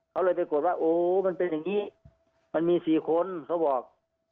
เขาเลยไปกดว่าโอ้มันเป็นอย่างนี้มันมี๔คนเขาบอก